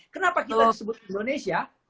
kenapa kita disebut indonesia